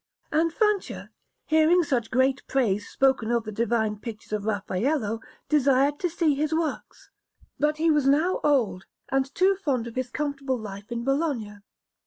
And Francia, hearing such great praise spoken of the divine pictures of Raffaello, desired to see his works; but he was now old, and too fond of his comfortable life in Bologna.